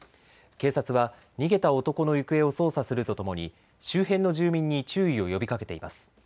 警察は逃げた男の行方を捜査するとともに周辺の住民に注意を呼びかけています。